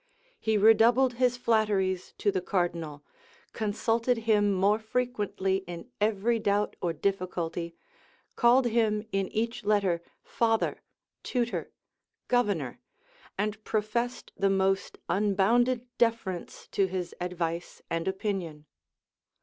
He redoubled his flatteries to the cardinal, consulted him more frequently in every doubt or difficulty, called him in each letter "father," "tutor," "governor," and professed the most unbounded deference to his advice and opinion.